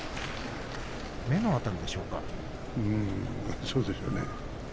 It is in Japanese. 目の辺りでしょうか。